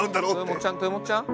豊本ちゃん豊本ちゃん？